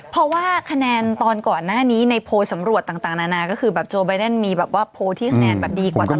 เพราะว่าคะแนนตอนก่อนหน้านี้ในโพลสำรวจต่างนานาก็คือแบบโจไบเดนมีแบบว่าโพลที่คะแนนแบบดีกว่า